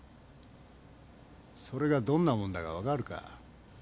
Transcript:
それがどんなもんだか分かるか？